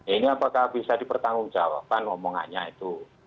ini apakah bisa dipertanggungjawabkan omongannya itu